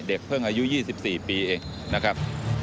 เพิ่งอายุ๒๔ปีเองนะครับ